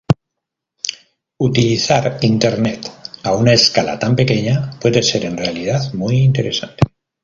Utilizar Internet a una escala tan pequeña puede ser en realidad muy interesante.